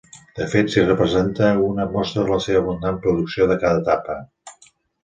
De fet, s'hi representa una mostra de la seva abundant producció de cada etapa.